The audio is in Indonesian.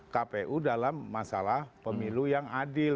kpu dalam masalah pemilu yang adil